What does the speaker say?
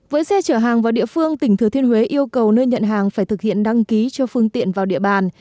với xe chở hàng vào địa phương tỉnh thừa thiên huế yêu cầu nơi nhận hàng phải thực hiện đăng ký cho phương tiện vào địa bàn